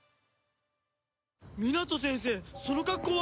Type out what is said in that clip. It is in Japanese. ミナト先生その格好は？